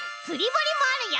ぼりもあるよ！